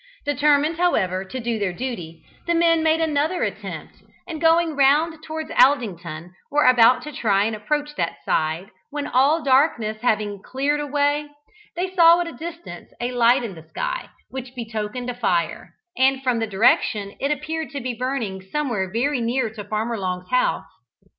Determined, however, to do their duty, the men made another attempt, and going round towards Aldington, were about to try and approach that side, when, all darkness having cleared away, they saw at a distance a light in the sky which betokened a fire, and from the direction, it appeared to be burning somewhere very near to Farmer Long's house.